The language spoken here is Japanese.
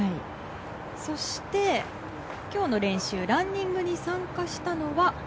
そして、今日の練習ランニングに参加したのは。